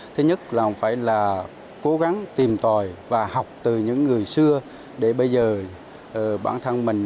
thứ nhất là phải là cố gắng tìm tòi và học từ những người xưa để bây giờ bản thân mình